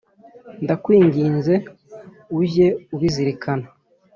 Ndakwinginze ujye ubizirikana.